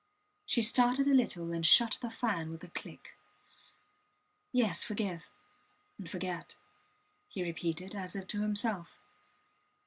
She started a little and shut the fan with a click. Yes, forgive and forget, he repeated, as if to himself.